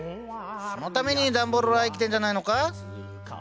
そのためにダンボールは生きてんじゃないのか？